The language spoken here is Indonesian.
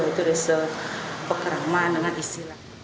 itu desa pekaraman dengan istilah